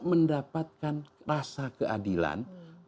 mendapatkan rasa keadilan